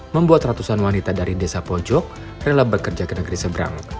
membuat ratusan wanita dari desa pojok rela bekerja ke negeri seberang